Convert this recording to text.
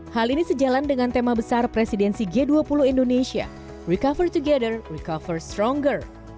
hal ini sejalan dengan tema besar presidensi g dua puluh indonesia recover together recover stronger